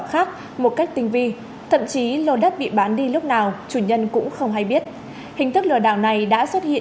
khác một cách tinh vi thậm chí lô đất bị bán đi lúc nào chủ nhân cũng không hay biết hình thức lừa đảo này đã xuất hiện